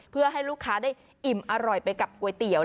เพื่อให้ลูกค้าได้อิ่มอร่อยไปกับก๋วยเตี๋ยว